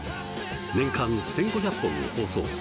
年間１，５００本を放送。